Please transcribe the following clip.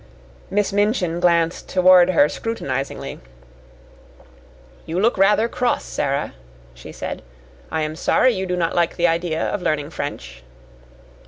Miss Minchin glanced toward her scrutinizingly. "You look rather cross, Sara," she said. "I am sorry you do not like the idea of learning French."